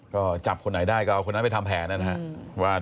ก็จับคนไหนได้ก็เอาคนนั้นไปทำแผนนะครับ